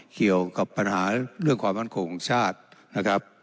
เกี่ยวกับปัญหาเรื่องความมั่นคงของชาตินะครับ